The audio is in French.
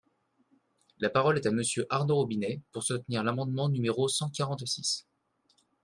La parole est à Monsieur Arnaud Robinet, pour soutenir l’amendement numéro cent quarante-six.